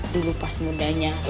dulu pas mudanya